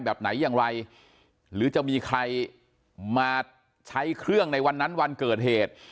แบบไหนอย่างไรหรือจะมีใครมาใช้เครื่องในวันนั้นวันเกิดเหตุ